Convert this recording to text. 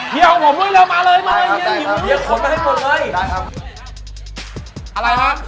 เดี๋ยวผมด้วยมาเลยเยี่ยมอยู่